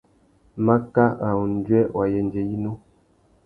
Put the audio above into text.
Makâ râ undjuê wa yêndzê yinú.